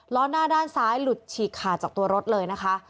ล้อหน้าด้านซ้ายหลุดฉีกขาดจากตัวรถเลยนะคะ